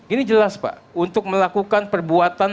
ini jelas pak untuk melakukan perbuatan